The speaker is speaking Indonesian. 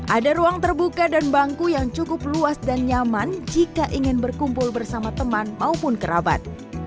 ada ruang terbuka dan bangku yang cukup luas dan nyaman jika ingin berkumpul bersama teman maupun kerabat